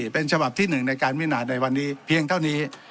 เป็นฉบับที่๑ในการวินาจในวันนี้เพียงเท่านี้